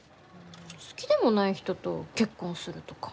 ん好きでもない人と結婚するとか。